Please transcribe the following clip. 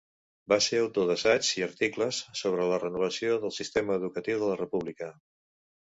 Va ser autor d'assaigs i articles sobre la renovació del sistema educatiu de la República.